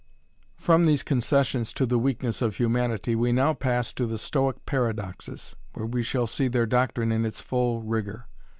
From these concessions to the weakness of humanity we now pass to the Stoic paradoxes, where we shall see their doctrine in its full rigor.